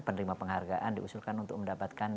penerima penghargaan diusulkan untuk mendapatkan